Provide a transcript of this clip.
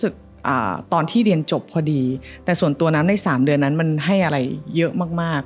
กันมันให้อะไรเยอะมาก